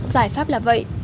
giải pháp là vậy